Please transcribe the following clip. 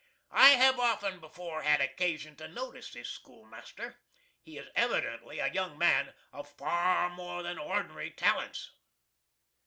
I have before had occasion to notice this schoolmaster. He is evidently a young man of far more than ord'nary talents.